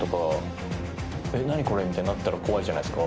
みたいになったら怖いじゃないっすか。